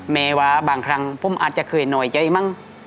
แม้ว่าบางครั้งผมอาจจะเคยหน่อยใจมั้ง